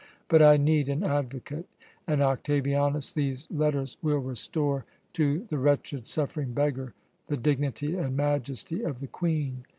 But I need an advocate and, Octavianus, these letters will restore to the wretched, suffering beggar the dignity and majesty of the Queen.